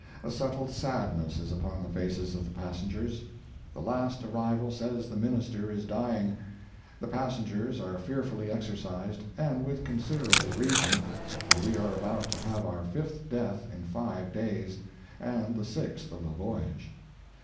A settled sadness is upon the faces of the passengers." "The last arrival says the Minister is dying. The passengers are fearfully exercised, and with considerable reason, for we are about to have our fifth death in five days, and the sixth of the voyage."